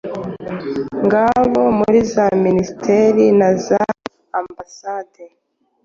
Ngabo muri za Minisiteri na za Ambasade.